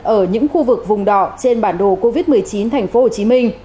ở những khu vực vùng đỏ trên bản đồ covid một mươi chín tp hcm